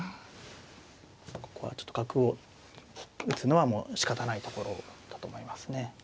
ここはちょっと角を打つのはもうしかたないところだと思いますね。